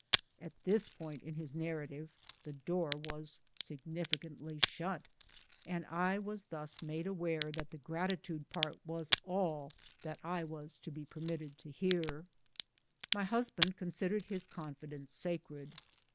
At this point in his narrative the door was significantly shut, and I was thus made aware that the gratitude part was all that I was to be permitted to hear. My husband considered his confidence sacred.